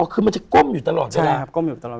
อ๋อคือมันจะก้มอยู่ตลอดเวลา